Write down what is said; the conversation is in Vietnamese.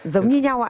giống như nhau ạ